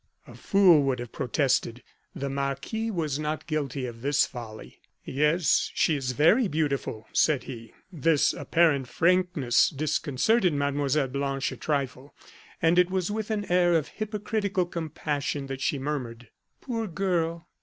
A fool would have protested. The marquis was not guilty of this folly. "Yes, she is very beautiful," said he. This apparent frankness disconcerted Mlle. Blanche a trifle; and it was with an air of hypocritical compassion that she murmured: "Poor girl!